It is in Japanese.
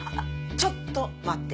ちょっと待って。